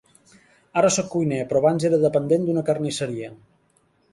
Ara soc cuiner, però abans era dependent d'una carnisseria.